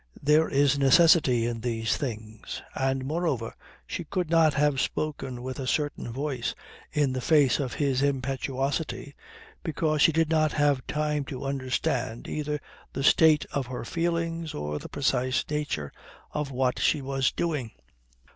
There is necessity in these things. And moreover she could not have spoken with a certain voice in the face of his impetuosity, because she did not have time to understand either the state of her feelings, or the precise nature of what she was doing.